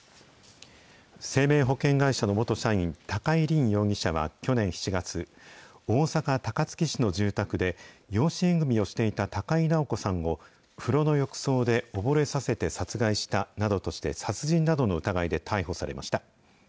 生命保険会社の元社員、高井凜容疑者は去年７月、大阪・高槻市の住宅で、養子縁組みをしていた高井直子さんを風呂の浴槽で溺れさせて殺害したなどとして、殺人などの疑いで逮捕されました。